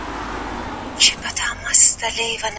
مرغۍ د موټر له درانه غږ څخه ووېرېدې او والوتې.